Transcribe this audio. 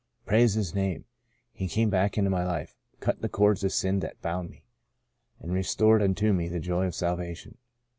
Praise His name ! He came back into my life, cut the cords of sin that bound me, and re stored unto me the joy of salvation.